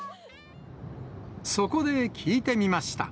そこで聞いてみました。